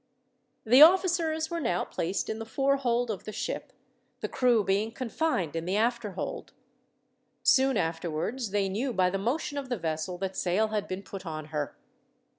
The officers were now placed in the fore hold of the ship, the crew being confined in the after hold. Soon afterwards, they knew by the motion of the vessel that sail had been put on her.